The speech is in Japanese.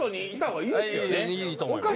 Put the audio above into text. いいと思います。